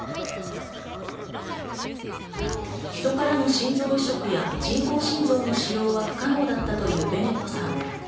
人からの心臓移植や人工心臓の使用は不可能だったというベネットさん。